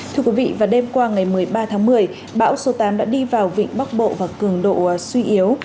thưa quý vị và đêm qua ngày một mươi ba tháng một mươi bão số tám đã đi vào vịnh bắc bộ và cường độ suy yếu